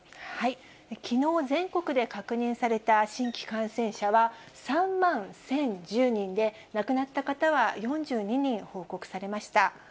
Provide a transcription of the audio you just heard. きのう全国で確認された新規感染者は、３万１０１０人で、亡くなった方は４２人報告されました。